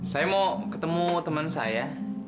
saya mau ketemu teman saya